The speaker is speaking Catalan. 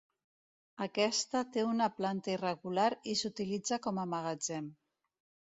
Aquesta té una planta irregular i s'utilitza com a magatzem.